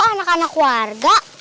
loh kok anak anak warga